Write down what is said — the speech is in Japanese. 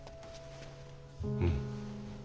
うん。